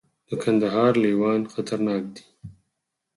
د کندهار لیوان خطرناک دي